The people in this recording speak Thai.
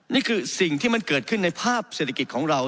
นี่คือสิ่งที่มันเกิดขึ้นในภาพเศรษฐกิจของเรา